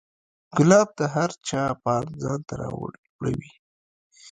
ګلاب د هر چا پام ځان ته را اړوي.